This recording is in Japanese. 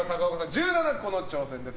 １７個に挑戦です。